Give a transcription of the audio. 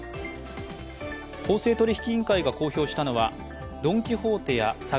公正取引委員会が公表したのはドン・キホーテや佐川